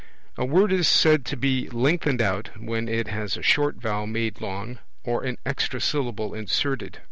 A word is said to be lengthened out, when it has a short vowel made long, or an extra syllable inserted; e.